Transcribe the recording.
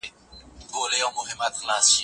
ايا سوله له شخړې څخه غوره ده؟